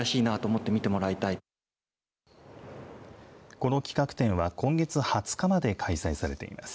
この企画展は今月２０日まで開催されています。